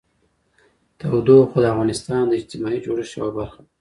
تودوخه د افغانستان د اجتماعي جوړښت یوه برخه ده.